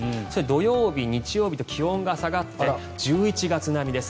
土曜日、日曜日と気温が下がって１１月並みです。